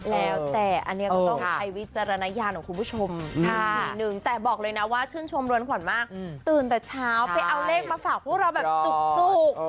แล้วแต่อันนี้ก็ต้องใช้วิจารณญาณของคุณผู้ชมอีกทีนึงแต่บอกเลยนะว่าชื่นชมเรือนขวัญมากตื่นแต่เช้าไปเอาเลขมาฝากพวกเราแบบจุก